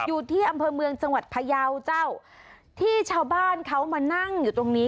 อยู่ที่อำเภอเมืองจังหวัดพยาวเจ้าที่ชาวบ้านเขามานั่งอยู่ตรงนี้